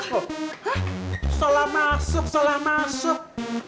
hah salah masuk salah masuk